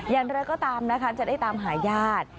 อย่างไรก็ตามนะคะจะได้ตามหาญาติ